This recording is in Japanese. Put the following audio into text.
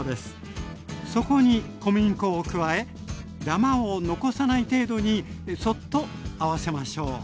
そこに小麦粉を加えだまを残さない程度にそっと合わせましょう。